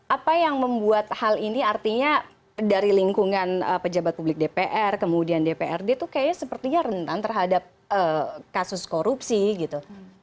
apa yang membuat hal ini artinya dari lingkungan pejabat publik dpr kemudian dprd itu kayaknya sepertinya rentan terhadap kasus korupsi gitu